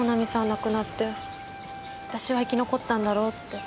亡くなって私は生き残ったんだろうって。